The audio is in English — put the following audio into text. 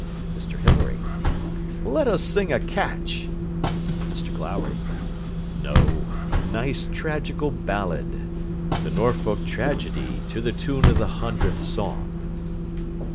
MR HILARY Let us sing a catch. MR GLOWRY No: a nice tragical ballad. The Norfolk Tragedy to the tune of the Hundredth Psalm.